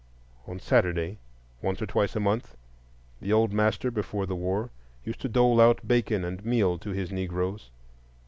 On Saturday, once or twice a month, the old master, before the war, used to dole out bacon and meal to his Negroes.